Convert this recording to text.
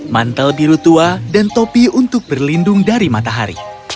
mantel biru tua dan topi untuk berlindung dari matahari